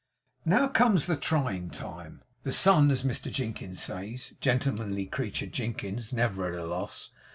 Now comes the trying time. The sun, as Mr Jinkins says (gentlemanly creature, Jinkins never at a loss!)